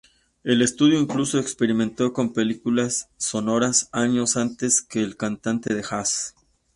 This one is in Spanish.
El estudio incluso experimentó con películas sonoras años antes que "El cantante de jazz".